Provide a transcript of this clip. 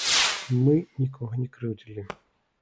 Мы нікога не крыўдзілі.